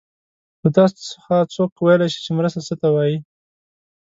له تاسو څخه څوک ویلای شي چې مرسته څه ته وايي؟